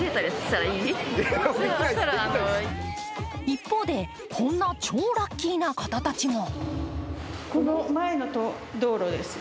一方でこんな超ラッキーな方たちも。